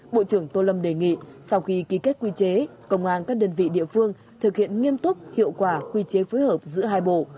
bộ trưởng tô lâm đề nghị sau khi ký kết quy chế công an các đơn vị địa phương thực hiện nghiêm túc hiệu quả quy chế phối hợp giữa hai bộ